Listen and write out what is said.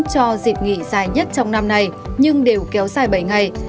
cho dịp nghỉ dài nhất trong năm này nhưng đều kéo dài bảy ngày